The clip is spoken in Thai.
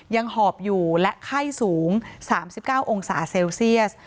หอบอยู่และไข้สูง๓๙องศาเซลเซียส